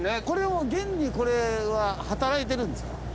これは現にこれは働いてるんですか？